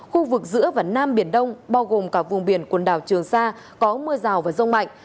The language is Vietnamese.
khu vực giữa và nam biển đông bao gồm cả vùng biển quần đảo trường sa có mưa rào và rông mạnh